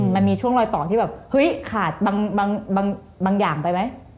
มันมีช่วงรอยต่อที่แบบเฮ้ยขาดบางอย่างไปไหม